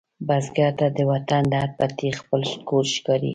بزګر ته د وطن هر پټی خپل کور ښکاري